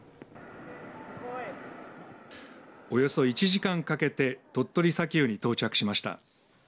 およそ１時間かけて鳥取砂丘に到着しました。